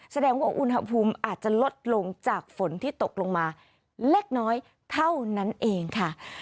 แสดงว่าอุณหภูมิอาจจะลดลงจากฝนที่ตกลงมาเล็กน้อยเท่านั้นเองค่ะ